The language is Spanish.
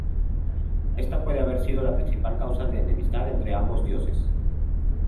Esta puede haber sido la principal causa de la enemistad entre ambos dioses.